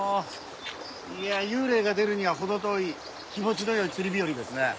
いや幽霊が出るには程遠い気持ちの良い釣り日和ですね。